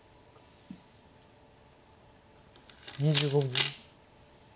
２５秒。